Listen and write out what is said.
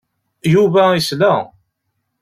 Yuba yesla.